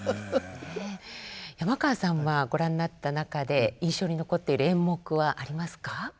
山川さんはご覧になった中で印象に残っている演目はありますか？